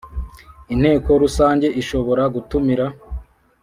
Inteko rusange ishobora gutumira